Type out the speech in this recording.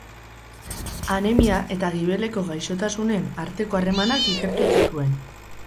Anemia eta gibeleko gaixotasunen arteko harremanak ikertu zituen.